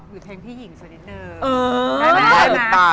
หรือเพลงพี่หญิงดีนิดนึง